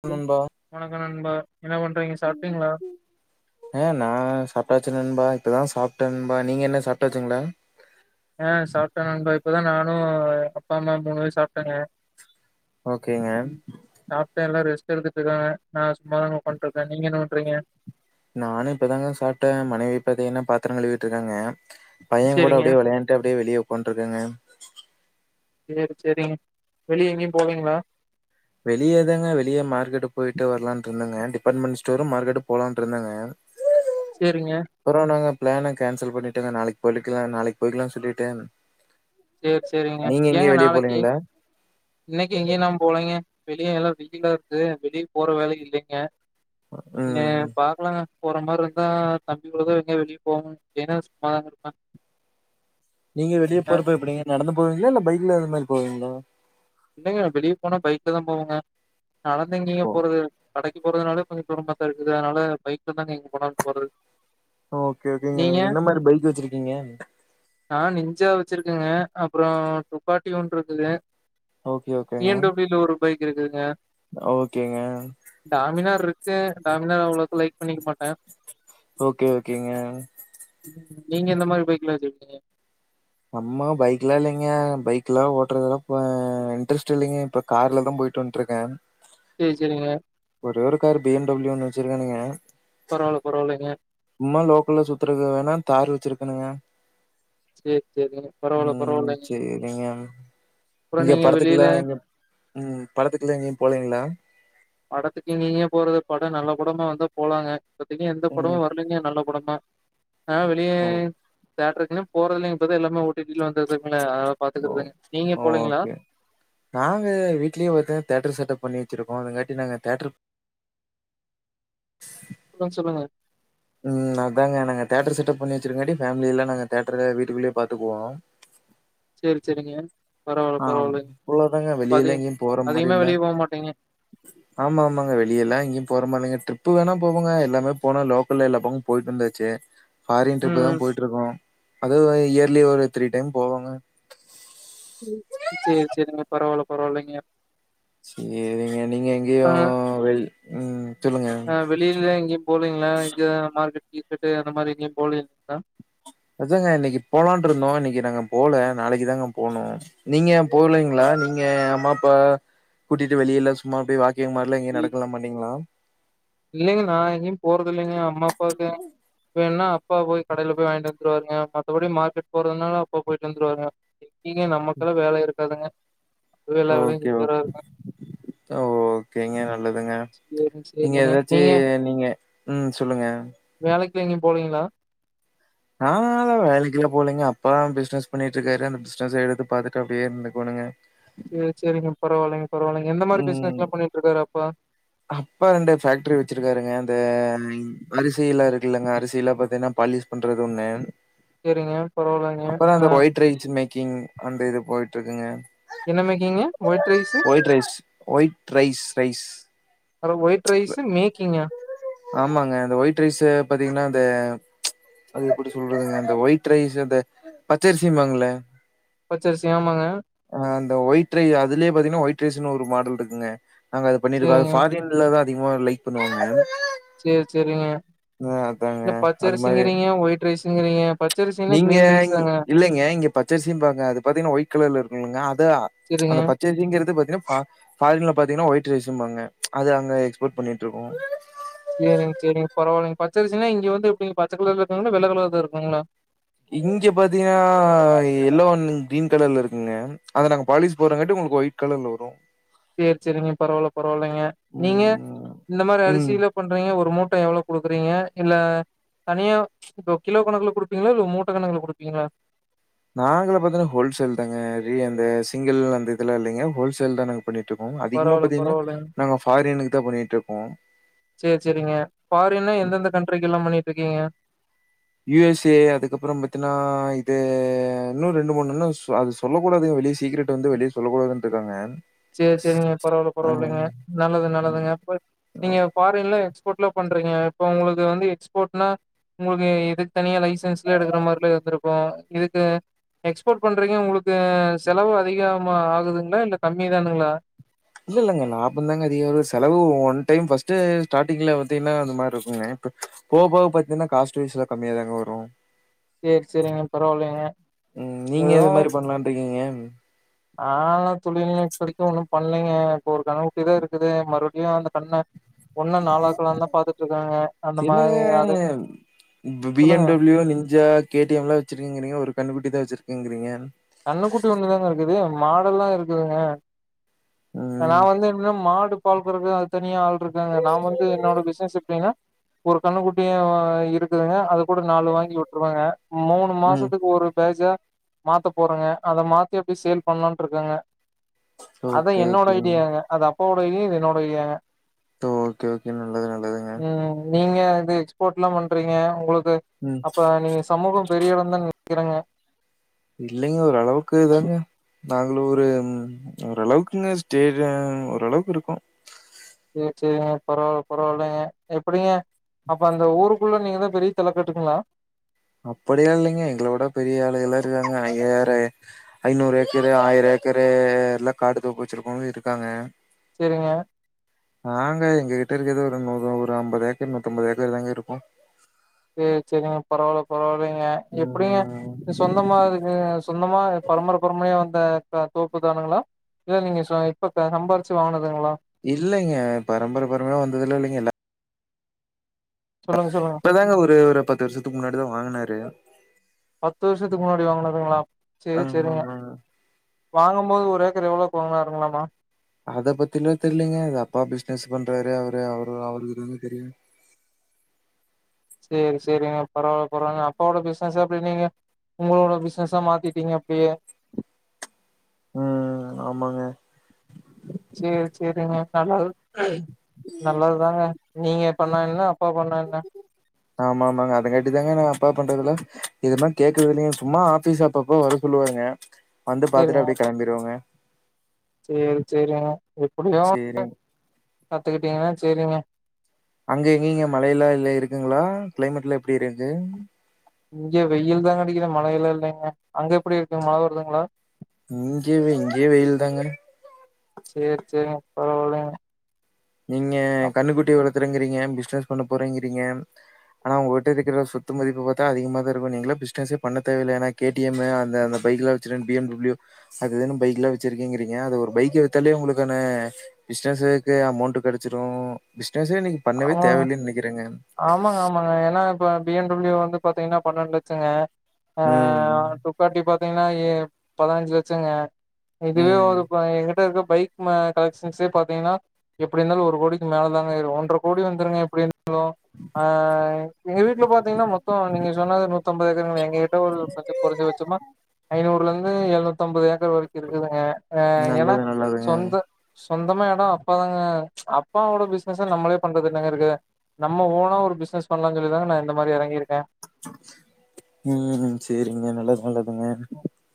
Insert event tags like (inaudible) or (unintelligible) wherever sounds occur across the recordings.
லு நண்பா வணக்கோ நண்பா என்ன பண்றீங்க சாப்ட்டீங்ளா ஏ நா சாப்ட்டாச்சு நண்பா இப்பதா சாப்ட்ட நண்பா நீங்க என்ன சாப்ட்டாச்சுங்ளா ஆ சாப்ட்ட நண்பா இப்பதா நானு அப்பா அம்மா மூணு பேரு சாப்டங்க ஓகேங்க சாப்ட எல்லா ரெஸ்ட் எடுத்துட்ருக்காங்க நா சும்மாதாங்க உக்கான்ட்ருக்க நீங்க என்ன பண்றீங்க நானு இப்பதாங்க சாப்ட்ட மனைவி பாத்தீங்கன்னா பாத்தரோ கழுவிட்டுருக்காங்க பையங் கூட சேரிங்க அப்டியே விளையாண்டுட்டு அப்டியே வெளிய உட்காந்துட்டு இருக்கேங்க சேரி சேரிங்க வெளிய எங்கயு போவீங்ளா வெளியதாங்க வெளிய மார்கெட்டு போய்ட்டு வர்லான்ட்ருந்தங்க டிபார்ட்மெண்ட் ஸ்டோரு மார்க்கெட்டு போலான்ட்ருந்தங்க ஆ சேரிங்க அப்பறோ நாங்க பிளான கேன்சல் பண்ணிட்டேங்க நாளைக் பொழுக்கல நாளைக் போயிக்கலா சொல்லிட்டேன் சேரி சேரிங்க நீங்க எங்கயு வெளிய போலீங்ளா இன்னைக்கு எங்கயு நா போலீங்க வெளிய எல்லா வெயிலா இருக்கு வெளில் போற வேல இல்லீங்க ம் எ ம் பாக்லாங்க போற மாரி இருந்தா தம்பி கூடதா எங்கயா வெளிய போகோனு ஏன்னா சும்மாதாங்க இருப்ப நீங்க வெளிய போறப்போ எப்டிங்க நடந்து போவீங்களா இல்ல பைக்ல இந்த மாரி போவீங்ளா இல்லங்க வெளிய போனா பைக்லதா போவோங்க நடந்தெங்கீங்க ஓ போறது கடை கடைக்கு போறதுனால கொஞ்சோ தூரம்மாத்தா இருக்குது அதனால பைக்ல தாங்க எங்க போனாலனு போறது ஓகே ஓகேங்க நீங்க என்ன மாரி பைக் வெச்சுருக்கீங்க நா நிஞ்சா வெச்சுருக்கங்க அப்றோ துப்பாட்டி ஒன்ருக்குது okay okay T N W ல ஒரு பைக் இருக்குதுங்க ஓகேங்க டாமினார் இருக்கு டாமினார் அவ்வளவுக்கு லைக் பண்ணிக்க மாட்டே ஓகே ஓகேங்க உம் நீங்க என்ன மாரி பைக் லா வெச்சுருக்கீங்க நம்மா பைக் எல்லா இல்லைங்க பைக் எல்லா ஓட்டுறதெல்லா இன்ட்ரெஸ்ட் இல்லைங்க கார்ல தா போயிட்டு வந்துட்ருக்கே சேரி சேரிங்க ஒரே ஒரு காரு பி என் டபள்யூ ஒன்னு வெச்சிருக்கேனுங்க பரவால்ல பரவால்லைங்க சும்மா லோக்கல்ல சுத்துறக்கு வேணா தார் வச்சுருக்கேணுங்க சேரி சேரிங்க பரவால்ல உம் பரவால்லைங்க சேரிங்க அப்புறோ இங்க நீங்க வெளியில படத்துக்குல இங்க ம் படத்துக்கு எல்லா எங்கேயு போலைங்ளா படத்துக்கு இங்க இங்கே போறது பட நல்ல படமா வந்தா போலாங்க பாத்தீங்க எந்த படமு ம் வரலைங்க நல்ல போடமா ஆ வெளியே ஓ தியேட்டர் க்குலா போறது இல்லைங்க இப்பதா எல்லாமே உள் செ வந்ததுங்களா அத ஓ பாத்துக்கறதுங்க நீங்க போலீங்ளா ஓகே நாங்க வீட்லேயே பாத்தா தியேட்டர் செட்டப் பண்ணி வச்சிருக்கோ அதுங்காட்டி நாங்க தேட்டர் (inaudible) அ சொல்லுங்க ம் அ அதாங்க நாங்க தேட்டர் செட்டப் பண்ணி வச்சிருங்காட்டி ஃபேமில எல்ல நா தேட்டர்ல வீட்டுக்குள்ளயே பாத்துக்குவோ சேரி சேரிங்க பரவாயில்ல ஆ பரவாயில்ல அவ்ளோதாங்க அப்ப அத வெளியில எங்கேயும் போற மாரி அதிகமா இல்ல. வெளியே போக மாட்டிங்க (inaudible) ஆமா ஆமாங்க வெளியெல்லா எங்கேயு போற மாரி இல்லங்க ட்ரிப்பு வேணா போவங்க எல்லாமே போன லோக்கல்ல எல்லா பக்க போயிட்டு வந்தாச்சு ஃபாரின் ம் ட்ரிப்பு தா ம். போயிட்டு இருக்கோ அதுவு இயர்லி ஒரு த்ரீ டைம் போவேங்க ம் சேரி சேரிங்க பரவால்ல பரவாயில்லைங்க சேரிங்க நீங்க எங்கேயு ஆ வெள் உம் சொல்லுங்க ஆ வெளியில எங்கேயு போலீங்ளா இங்க மார்கெட்டுகீர்க்கட்டு அந்த மாரி எங்கேயு போலிங்ளா அதாங்க இன்னைக்கு போலான் இருந்தோ இன்னைக்கு நாங்க போல நாளைக்கு தாங்க போனு நீங்க போலீங்ளா நீங்க அம்மா அப்பா கூட்டிட்டு வெளியே எல்லா சுத் சும்மா அப்டியே வாக்கிங் மாரில்லா எங்கேயு இல் நடக்கலா மாட்டிங்ளா இல்லைங்க நா எங்கேயு போறது இல்லைங்க அம்மா அப்பாவுக்கு இப்ப என்னா அப்பா போய் கடைல போய் வாங்கிட்டு வந்துருவாங்க மத்தபடி மார்க்கெட் போறதுனாலு அப்பா போயிட்டு வந்துருவாங்க எங்கீங்க நமக்கெல்லா வேல இருக்காதுங்க அப்பவே எல்லா வேலையும் ஓகே ஓகே செஞ்சுருவாருங்க. ஓகேங்க நல்லதுங்க சேரி நீங் நீங்க சேரிங்க ஏதாச்சு நீங்க ம் சொல்லுங்க வேலைக்கு எங்கேயு போலீங்ளா நா அத வேலைக்குல்ல போலங்க அப்பா பிசினஸ் பண்ணிட் இருக்காரு அந்த பிசினஸ் எடுத்து பாத்துட்டு அப்டியே இருந்துக்கோனுங்க சேரி சேரிங்க பரவாயில்லங்க பரவில்லைங்க எந்த மாரி பிசினஸ் ம். எல்லா பண்ணிட்டு இருக்காரு அப்பா அப்பா ரெண்டு பேக்ட்ரி வச்சிருக்காருங்க அந்த அரிசிய எல்லா இருக்கு இல்லங்க அரிசில்லா பாத்தீங்னா பாலிஷ் கொண்டிருக்கன்னேன் (unintelligible) சேரிங்க பரவா அப்பறோ அந்த ஒயிட் ரைஸ் ரீ மேக்கிங் அந்த இது போயிட்டு இருக்குங்க என்ன making white rice white rice white rice rice அட ஒயிட் ரைஸு மேக்கிங்கா ஆமாங்க இந்த ஒயிட் ரைஸு பாத்தீங்னா இந்த அது எப்டி சொல்றதுங்க இந்த ஒயிட் ரைஸு இந்த பச்சரிசிமாங்கல பச்சரிசி ஆமாங்க ஆ அந்த ஒயிட்ரை அதுலே பாத்தீங்கன்னா ஒயிட் ரைஸுனு ஒரு மாடல் இருக்குங்க நாங்க அது பண்ணிருக்கோ அது சேரிங்க ஃபாரின் உள்ளதா அதிகமா லைக் பண்ணுவாங்க சரி சரிங்க ஆ அதாங்க இல்ல அது மாரி பச்சரிசிங்கிறீங்க ஒயிட் ரைஸுங்கிறீங்க பச் பச்சரிசிலே நீங்க க்ரீன் ரைஸ் இங்- தாங்க இல்லைங்க இங்க பச்சரிசிம் பாங்க அது பாத்தீங்க்ன்னா ஒய்ட் கலர்ல இருக்குங்க அதா சேரிங்க அந்த பச் பச்சரிசிங்கிறது பாத்தீனா பா ஃபாரின்ல பாத்தீங்ன்னா ஒயிட் ரைஸும்பாங்க அது அங்க எஸ்போட் பண்ணிட்ருக்கோ சரிங்க சரிங்க பரவால்லைங்க பச்சரிசின்னா இங்க வந்து எப்டிங்க பச்ச கலர்ல இருக்குங்ளா வெள்ளக்கலர்ல இருக்குங்ளா இங்க பாத்தீங்ன்னா எல்லோ அண்ட் க்ரீன் கலர்ல இருக்குங்க அத நாங்க பாலீஸ் போறங்காட்டி உங்களுக்கு ஒயிட் கலர்ல வரு சேரி சேரிங்க பரவால்ல பரவால்லங்க நீங்க ம் இந்த மாரி ம் அரிசில பண்றீங்க ஒரு மூட்ட எவ்ளோ குடுக்குறீங்க இல்ல தனியா இப்போ கிலோ கணக்குல குடுப்பீங்ளா இல்ல மூட்ட கணக்குல குடுப்பீங்ளா நாங்களா பாத்தோன்னா ஹோல்சேல் தாங்க ரி அந்த சிங்கிள் அந்த இதுலா இல்லைங்க ஹோல்சேல் தா நாங்க பண்ணிட் இருக்கோ அதிகமா பரவால்ல பாத்தீங்ன்னா பரவால்லங்க நாங்க ஃபாரினுக்கு தா பண்ணிட் இருக்கோ சேரி சேரிங்க ஃபாரின்னா எந்தெந்த கண்ட்ரிக்குலா பண்ணிட்டு இருக்கீங்க யு எஸ் ஏ அதுக்கப்றோ பாத்தீன்னா இது இன்னு ரெண்டு மூணு இன்னு ஸ் அது சொல்லக் கூடாதுங்க வெளிய சீக்ரட் வந்து வெளிய சொல்லக் கூடாதுன்ருக்காங்க செரி செரிங்க பரவால பரவாலங்க நல்லது நல்லதுங்க இப்ப நீங்க பாரின்ல எக்ஸ்போர்ட்லா பண்றீங்க இப்போ உங்களுக்கு வந்து எக்ஸ்போர்ட்னா உங்ளுக்கு இதுக் தனியா லைசன்ஸ்லா எடுக்ற மாரிலா இருந்திருக்கு இதுக்கு எக்ஸ்போர்ட் பண்றீங்க உங்ளுக்கு செலவு அதிகமா ஆகுதுங்ளா இல்ல கம்மிதானுங்ளா இல்ல இல்லங்க லாபந்தாங்க அதிகோ வருது செலவு ஒன் டைம் ஃபர்ஸ்டு ஸ்டார்ட்டிங்ல பாத்தீங்ன்னா அந்த மாரி இருக்குங்க இப்ப போ போக பாத்தீங்ன்னா காஸ்ட் வைஸ்ல கம்மியாதாங்க வரு சேரி சேரிங்க பரவால்லைங்க ம் நீங்க எது மாரி பண்லான் இருக்கீங்க நான்லா தொழில்னு இப்போதைக்கு ஒன்னு பண்லைங்க இப்ப ஒரு கண்ணுக்குட்டி தா இருக்குது மறுபடியு அந்த கடன ஒன்ன நாலாக்கலான் தா பாத்துட்டு இருக்கங்க அந்த மாரி அது இப்ப பி எம் சொல்லுங்க W ninja K T M லா வச்சிருக்கேங்றீங்க ஒரு கண்ணுக்குட்டி தா வச்சிருக்கேங்றீங்க கண்ணுக்குட்டி ஒன்னு தாங்க இருக்குது மாடெல்லா இருக்குதுங்க நா ம் வந்து என்னன்னா மாடு பால் கறக்குறது அது தனியா ஆள் இருக் இல்லங்க நா வந்து என்னோட பிசினஸ் எப்டின்னா ஒரு கன்னுக்குட்டியு இருக்குதுங்க அது கூட நாலு வாங்கி விட்ருவங்க மூணு ம் மாசத்துக்கு ஒரு பேஜா மாத்த போறங்க அத மாத்தி அப்டியே சேல் பண்ணலான்ட்ருக்கங்க அது ஓகே என்னோட ஓகேங்க ஐடியாங்க அது அப்பாவோட எய் இது என்னோட இலியாங்க ஓகே ஓகே நல்லது நல்லதுங்க ம் நீங்க இது எக்ஸ்போர்ட்லா பண்றீங்க உங்களுக்கு ம் அப்ப நீங்க சமூகம் பெரிய இடந்தான் நெனைக்குறங்க இல்லைங்க ஓரளவுக்கு தாங்க நாங்களு ஒரு ஒரளவுக்குங்க ஸ்டேஜ் ஒரளவுக்கு இருக்கு செரி செரிங்க பரவால்ல பரவால்லங்க எப்டிங்க அப்ப அந்த ஊருக்குள்ள நீங்கதா பெரிய தல கட்டுங்ளா அப்டிலா இல்லைங்க எங்களோட பெரிய ஆளுகளா இருக்காங்க நீங்க வேற ஐநூறு ஏக்கரு ஆயிரோ ஏக்கரு எல்லா காடு தோப்பு வச்சிருக்கவங்க இருக்காங்க சரிங்க ஆங்க எங்ககிட்ட இருக்குறது ஒரு நூர் ஒரு அம்பது ஏக்கர் நூத்தம்பது ஏக்கர் தாங்க இருக்கு து சரிங்க பரவால்ல பரவால்லைங்க எப்டிங்க ம் இந்த சொந்தமாகதுக்கு சொந்தமா பரம்பர பரம்பரையா வந்த த தோப்பு தானுங்ளா இல்ல நீங்க சுய இப்ப சம்பாரிச்சு வாங்குனதுங்ளா இல்லைங்க பரம்பர பரம்பரையா வந்ததுலா இல்லேங்க எல்லா சொல்லுங்க சொல்லுங்க இப்பதாங்க ஒரு ஒரு பத்து வருஷத்துக்கு முன்னாடி தா வாங்குனாரு பத்து வருஷத்துக்கு முன்னாடி வாங்கினதுங்ளா சேரி சேரிங்க ஆமாமாங்க. வாங்கு போது ஒரு ஏக்கர் எவ்ளோக்கு வாங்குனார்ங்களாமா அத பத்திலா தெர்லங்க அது அப்பா பிசினஸ் பண்றாரு அவரு அவரு அவருக்குதா தெரியு சேரி சேரிங்க பரவால்ல பரவால்லங்க அப்பாவோட பிசினஸ் அப்டி நீங்க உங்களோட பிசினஸா மாத்திட்டீங்க அப்டியே ம் ஆமாங்க சேர் சேரிங்க நல்லது நல்லது தாங்க நீங்க பண்ணா என்ன அப்பா பண்ணா என்ன ஆமா ஆமாங்க அதங்காட்டி தாங்க நா அப்பா பண்றதுல இதலா கேக்குறது இல்லேங்க சும்மா ஆபிஸ் அப்பப்ப வர சொல்லுவாருங்க வந்து பாத்துட்டு சேரிங்க அப்டியே கெளம்பிருவங்க சேரி சேரிங்க எப்டியு சரிங்க. கத்துக்கிட்டீங்கன்னா சேரிங்க அங்க எங்கிங்க மழையல்லா இல்ல இருக்குங்ளா கிளைமேட்லா எப்டி இருக்கு இங்க வெயில் தா அடிக்குது மழையல்லா இல்லைங்க அங்க எப்டி இருக்குங்க மழ வருதுங்ளா இங்க இங்கயே வெயில்தாங்க சேர் சேரிங்க பரவால்லைங்க நீங்க கன்னுக்குட்டி வளத்துறங்கறீங்க பிசினஸ் பண்ண போறேங்கிறீங்க ஆனா உங்ககிட்ட இருக்கிற சொத்து மதிப்பு பாத்தா அதிகமா தா இருக்கு நீங்களே பிசினஸே பண்ண தேவயில்ல ஏன்னா கேடிஎம் அந்த அந்த பைக்குலா வச்சிரு பி எம் டபிள்யூ அதுதானா பைக்லா வச்சிருக்குறேங்கிறீங்க ஒரு பைக்க வித்தாலே உங்களுக்கான பிசினஸ்க்கு அமௌன்ட் ட்டு கெடச்சிறு பிசினஸே இன்னைக்கு பண்ணவே ஆமாங்க தேவயில்லைன் நெனைக்கிறேங்க ஆமாங்க ஆமாங்க ஏன்னா இப்ப பி என் டபிள்யூ வந்து பாத்தீங்கனா பன்னெண்டு லட்சங்க அ ம் டுக்காட்டி பாத்தீங்கனா ஏ பதினஞ்சு லட்சங்க இதுவே ம் ஒரு ஏ கிட்ட இருக்குற பைக் நம்ம கலெக்ஷன்ஸே பாத்தீங்கனா எப்டி இருந்தாலு ஒரு கோடிக்கி மேலதாங்க ஆய்ரு ஒன்ற கோடி வந்துருங்க எப்டி இருந்தாலு அ எங்க வீட்ல பாத்தீங்கனா மொத்தோ நீங்க நெல ஒரு நூத்தம்பது ஏக்கரு எங்ககிட்ட ஒரு பத்து கொறஞ்சபட்சமா ஐநூறுலருந்து எழுநூத்து ஐம்பது ஏக்கர் வரைக்கு இருக்குதுங்க அ ஏன்னா நல்லது நல்லதுங்க. சொந்த சொந்தமா எடோ அப்பாதாங்க அப்பாவோட பிசினஸ நம்மளே பண்றது என்னங்க இருக்கு நம்ம ஓனா ஒரு பிசினஸ் பண்லா சொல்லிதாங்க நா இந்த மாரி இறங்கிருக்க ம் செரிங்க நல்லது நல்லதுங்க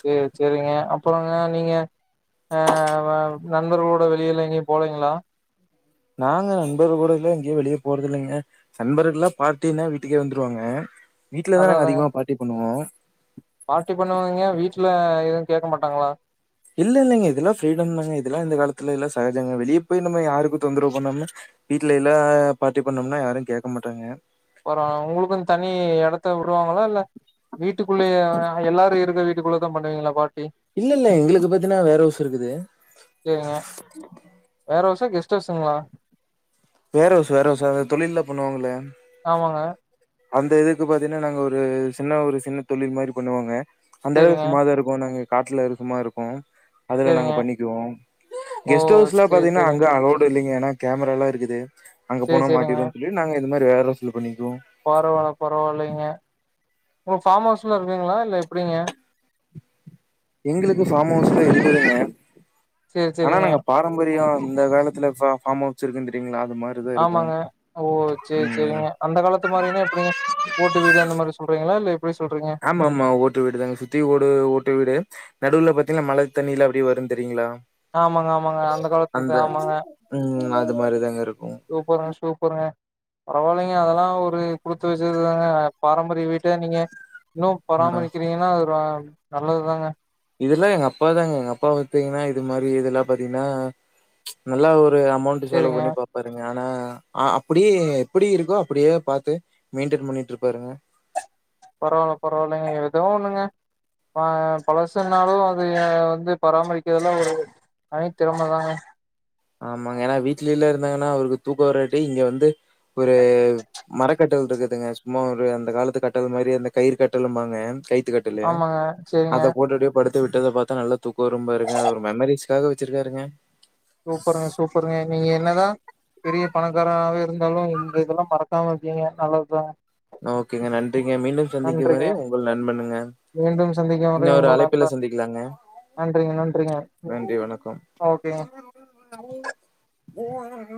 சேர் சேரிங்க அப்பறோங்க நீங்க ஆ நண்பர்களோட வெளியெல்லா எங்கயு போலீங்ளா நாங்க நண்பர் கூடலா எங்கயு வெளிய போறதில்லைங்க நண்பர்கள்லா பார்டீன்னா வீட்டுக்கே வந்துருவாங்க வீட்ல தா நாங்க அதிகமா பார்ட்டி பண்ணுவோ பார்டி பண்ணுவாய்ங்க வீட்ல எது கேக்க மாட்டாங்களா இல்ல இல்லைங்க இதெல்லா ஃப்ரீடம் தாங்க இதெல்லா இந்த காலத்துல எல்லா சகஜோங்க வெளிய நம்ம யாருக்கு தொந்தரவு பன்னாம்ம வீட்ல எல்லா பார்ட்டி பண்ணோம்னா யாரு கேக்க மாட்டாங்க அப்றோ உங்களுக்கு தனி எடத்த விடுவாங்களா இல்ல வீட்டுக்குள்ளயே எல்லாரு இருக்க வீட்டுக்குள்ளதா பண்ணுவீங்களா பார்ட்டி இல்ல இல்ல எங்களுக்கு பத்தினா வேற ஹவுஸ் இருக்குது ஏங்க வேற ஹவுஸா கெஸ்ட் ஹவுஸ்ங்ளா வேறவுஸ் வேறவுஸ் சார் அ தொழிலில்லா பண்ணுவாங்கல ஆமாங்க அந்த இதுக்கு பாத்தீங்கன்னா நாங்க ஒரு சின்ன ஒரு சின்ன தொழில் மாரி பண்ணுவோங்க அந்த அளவுக்கு சேரிங்க சும்மாதா இருக் போனாங்க காட்ல இருக்கமா இருக்கு அதுல நாங்க சேரிங்க பண்ணிக்குவோ ஓ கெஸ்ட் ஹவுஸ்ல சேரி பாத்தீங்கன்னா அங்க சேரிங்க அலவுட் இப்ப இல்லீங்க ஏனா கேமராலா இருக்குது அங்க சேரி போனா சேரிங்க மாட்டிக்குவோனு சொல்லி நாங்க இந்த மாரி வேரவுஸ்ல பண்ணிக்குவோ பரவால பரவாயில்லைங்க உங்க ஃபார்ம் ஹவுஸ்லா இருக்குங்கலா இல்ல எப்டிங்க எங்ளுக்கு ஃபார்ம் ஹவுஸ்ல இருந்ததுங்க சேரி ஆனா சேரிங்க நாங்க பாரம்பரியோ அந்த காலத்து இதுல ஃபா ஃபாம்ஹவுஸ் இருக்குனு தெரீயுங்களா அது மாரி ஆமாங்க ஓ சே சேரிங்க அந்த காலத்து மாரின்னா எப்டிங்க ஓட்டு வீடு அந்த மாரி சொல்றீங்களா இல்ல எப்டி சொல்றீங்க ஆமாம்மா ஓட்டு வீடுதாங்க சுத்தி ஓடு ஓட்டு வீடு நடுவுல பாத்தீங்கன்னா மழ தண்ணில்லா அப்டியே வரு தெரியூங்ளா ஆமாங்க ஆமாங்க அந்த காலத்துது ஆமாங்க ம் அது மாரிதாங்க இருக்கு சூப்பருங்க சூப்பருங்க பரவால்லீங்க அதெல்லா ஒரு குடுத்து வெச்சதுதாங்க பாரம்பரிய வீட்ட நீங்க இன்னோ ஆ பராமரிக்கிறீங்கன்னா அது நல்லதுதாங்க இதெல்லா எங்க அப்பாதாங்க எங்க அப்பா பாத்தீங்கன்னா இது மாரி இதெல்லா பாத்தீங்னா நல்லா ஒரு அமௌண்ட்டு செலவு சேரிங்க பண்ணி பாப் பாருங்க ஆனா அப்டியே எப்டி இருக்கோ அப்டியே பாத்து மெயின்டென் பண்ணிட்டு இருப்பாருங்க பரவால்ல பரவால்லைங்க எதோ ஒண்ணுங்க ஆ பழசுனாலு அது வந்து பராமரிக்கிறதுயெல்லா ஒரு தனி திரமதாங்க ஆமாங்க ஏனா வீட்லில்லா இருந்தாங்கன்னா அவருக்கு தூக்க வராட்டி இங்க வந்து ஒரு மரக்கட்டல் இருக்குதுங்க சும்மா ஒரு அந்த காலத்து கட்டல் மாதிரி அந்த கயிறு கட்டலும்பாங்க கையித்து கட் ட்டலு ஆமாங்க செரிங்க அத போட்டுட்டு படுத் து விட்டத பாத்தா நல்லா தூக்க வரும்பாருங்க அவரு மெமரீஸ்க்காக வெச்சிருக்காருங்க சூப்பருங்க சூப்பருங்க நீங்க என்னதா பெரிய பணக்காராவே இருந்தாலு இந்த இதெல்லா மறக்காம இருக்கீங்க நல்லதுதாங்க ஓகேங்க நன்றிங்க மீண்டு சந்திக்கு வரை உங்கள் நண்பனுங்க மீண்டு சந்திக்கும்வரை இன்னொரு உங்கள் அழைப்பில நண்பன் சந்திக்கலாங்க நன்றிங்க நன்றிங்க நன்றி வணக்கம் ஓகேங்க (unintelligible)